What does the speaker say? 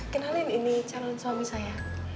kenalin ini calon suami saya